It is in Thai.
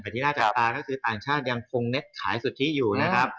เป็นที่หน้าจากปาร์ซน่าจะยังคงเน็ตขายสุทธิอยู่นะครับ